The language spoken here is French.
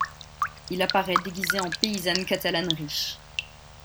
Il apparait déguisé en paysanne catalane riche.